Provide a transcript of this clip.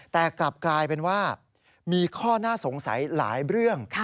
แต่กลับกลายเป็นว่ามีข้อน่าสงสัยหลายเรื่อง